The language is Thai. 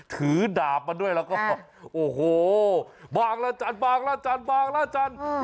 ถือดาบมาด้วยแล้วก็โอ้โฮบางละจันทร์